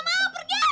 laura laura mama mama